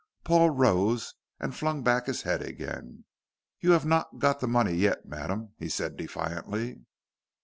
Paul rose and flung back his head again. "You have not got the money yet, madam," he said defiantly.